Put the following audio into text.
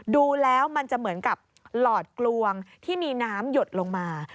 ดูแล้วมันจะเหมือนกับหลอดกลวงที่มีน้ำหยดลงมา